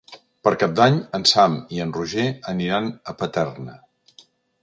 Per Cap d'Any en Sam i en Roger aniran a Paterna.